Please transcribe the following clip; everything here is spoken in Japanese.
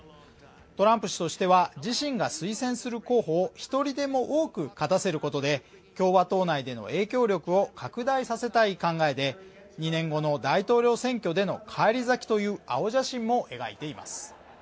トランプ氏としては自身が推薦する候補を一人でも多く勝たせることで共和党内での影響力を拡大させたい考えで２年後の大統領選挙での返り咲きという青写真も描いています。